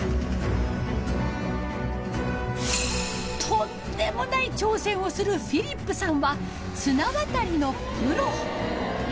とんでもない挑戦をするフィリップさんは綱渡りのプロ。